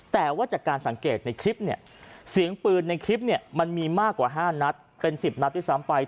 แต่ว่าจากการสังเกตในคลิปเนี่ยเสียงปืนในคลิปเนี่ยมันมีมากกว่า๕นัดเป็น๑๐นัดด้วยซ้ำไป